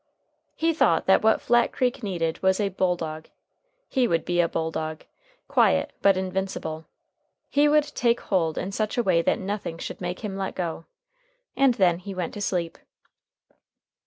He thought that what Flat Creek needed was a bulldog. He would be a bulldog, quiet, but invincible. He would take hold in such a way that nothing should make him let go. And then he went to sleep.